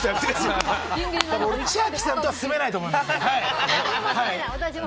千秋さんとは住めないと思います。